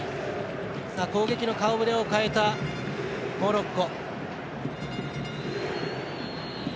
攻撃の顔ぶれを代えたモロッコ。